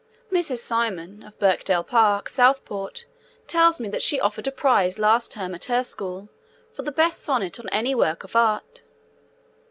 Mrs. Simon, of Birkdale Park, Southport, tells me that she offered a prize last term at her school for the best sonnet on any work of art.